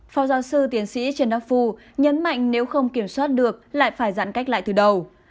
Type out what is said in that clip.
phó giáo sư tiến sĩ trần đắc phu nhấn mạnh nếu không kiểm soát được lại phải giãn cách lại từ đầu